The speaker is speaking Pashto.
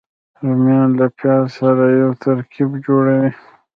رومیان له پیاز سره یو ترکیب جوړوي